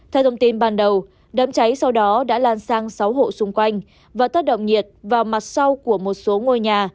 theo thông tin ban đầu đám cháy sau đó đã lan sang sáu hộ xung quanh và tác động nhiệt vào mặt sau của một số ngôi nhà